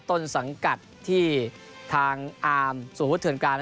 ต้นสังกัดที่ทางอาร์มสมมุติเถื่อนการ